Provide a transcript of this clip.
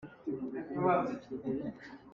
Na tawhrolh a fual tuk.